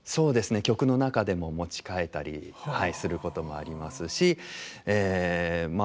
曲の中でも持ち替えたりすることもありますしまあ